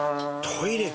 「トイレ？」